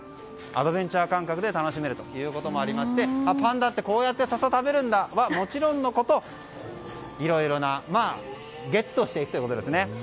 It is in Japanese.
アドベンチャー感覚で楽しめるということもありましてパンダってこうやって笹食べるんだ！はもちろんのこといろいろな動物をゲットしていくということですね。